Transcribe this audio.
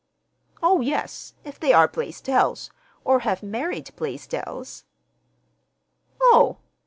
"Oh, yes, if they are Blaisdells, or have married Blaisdells." "Oh!